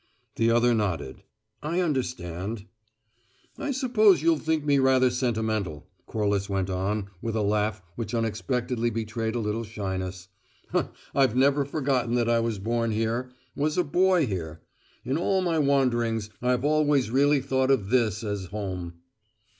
The other nodded. "I understand." "I suppose you'll think me rather sentimental," Corliss went on, with a laugh which unexpectedly betrayed a little shyness. "I've never forgotten that I was born here was a boy here. In all my wanderings I've always really thought of this as home."